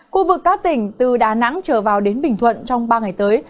khu vực các tỉnh từ đà nẵng trở vào đến bình thuận trong ba ngày tới